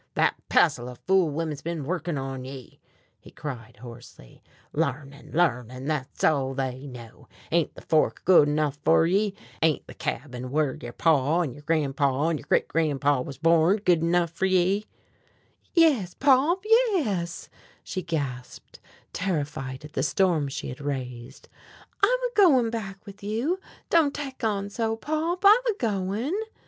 "That passel of fool women's been workin' on ye," he cried hoarsely, "larnin', larnin', thet's all they know. Ain't the Fork good enough fer ye? Ain't the cabin whar yer paw, an' yer grandpaw, an' yer great grandpaw was borned good enough for ye?" "Yes, Pop, yes!" she gasped, terrified at the storm she had raised. "I'm a goin' back with you. Don't tek on so, Pop, I'm a goin'!"